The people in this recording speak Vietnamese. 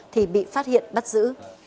thì bị phát hiện bắt giữ